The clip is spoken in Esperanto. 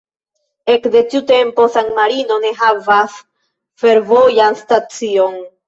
Ekde tiu tempo San-Marino ne havas fervojan stacion.